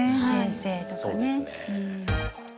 先生とかね。